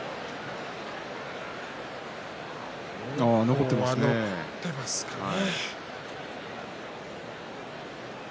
残っていますね。